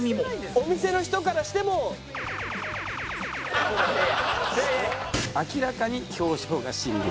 「お店の人からしても」「明らかに表情が死んでいる」